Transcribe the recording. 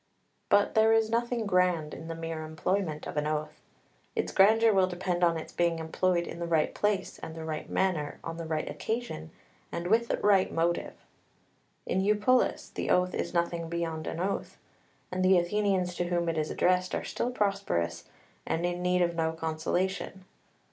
But there is nothing grand in the mere employment of an oath. Its grandeur will depend on its being employed in the right place and the right manner, on the right occasion, and with the right motive. In Eupolis the oath is nothing beyond an oath; and the Athenians to whom it is addressed are still prosperous, and in need of no consolation.